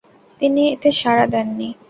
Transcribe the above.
তিনি এতে সাড়া দেননি।